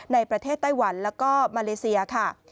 ในประเทศไต้หวันแล้วก็มาเลเซียค่ะ